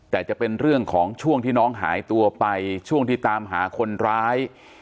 แต่จะเป็นเรื่องของช่วงที่น้องหายตัวไปช่วงที่ตามหาคนร้าย